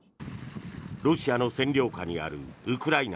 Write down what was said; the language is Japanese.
ロシアの占領下にあるウクライナ